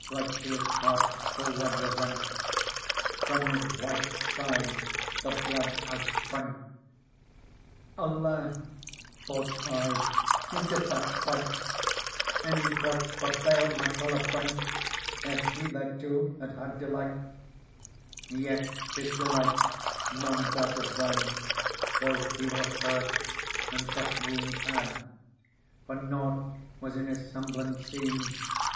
Right to His heart full red was rent, JFrom His white side the blood outnsprent ;" Alas !" thought I, '' who did that spite ?" Any breast for bale might well have brent. Ere he thereto had had delight. Digitized by Google PEARL 49 Yet His delight none doubted then. Though He were hurt and such wound had ; For nought was in His semblant seen.